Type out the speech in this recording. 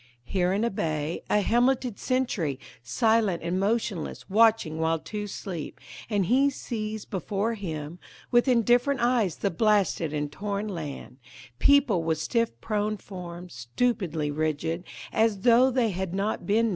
Here in a bay, a helmeted sentry Silent and motionless, watching while two sleep, And he sees before him With indifferent eyes the blasted and torn land Peopled with stiff prone forms, stupidly rigid, As tho' they had not been men.